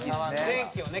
「電気をね